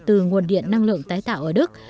từ nguồn điện năng lượng tái tạo ở đức